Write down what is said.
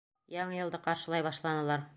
Яңы йылды ҡаршылай башланылар!